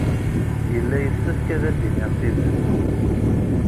Yella yessefk ad d-iniɣ tidet.